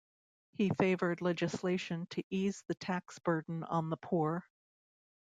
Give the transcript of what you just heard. He favored legislation to ease the tax burden on the poor.